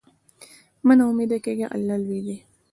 مه نا امیده کېږه، الله لوی دی.